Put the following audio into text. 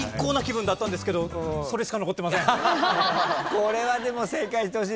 これはでも正解してほしい。